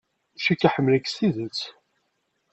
Cikkeɣ ḥemmlen-k s tidet.